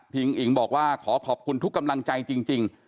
อิ๋งบอกว่าขอขอบคุณทุกกำลังใจจริง